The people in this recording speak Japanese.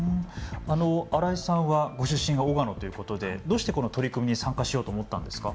新井さんは、ご出身が小鹿野ということでどうしてこの取り組みに参加しようと思ったんですか。